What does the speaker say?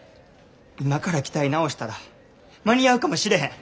今から機体直したら間に合うかもしれへん。